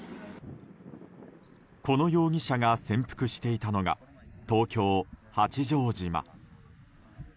この容疑者が潜伏していたのが東京・八丈島。